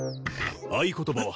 合言葉は？